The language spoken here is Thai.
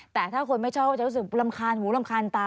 แต่ถ้าคนไม่ชอบก็จะรู้สึกรำคาญหูรำคาญตา